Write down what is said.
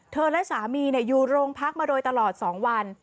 และสามีอยู่โรงพักมาโดยตลอด๒วัน